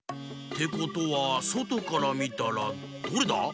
てことはそとからみたらどれだ？